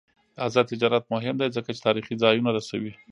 آزاد تجارت مهم دی ځکه چې تاریخي ځایونه رسوي.